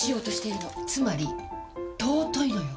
つまり尊いのよ！